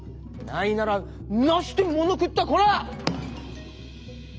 ないならなしてものくったこら！」。